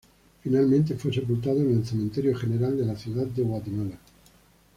Finalmente, fue sepultado en el Cementerio General de la Ciudad de Guatemala.